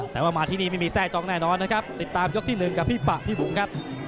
แต่ว่ามาที่นี่ไม่มีแทร่จ้องแน่นอนนะครับติดตามยกที่๑กับพี่ปะพี่บุ๋มครับ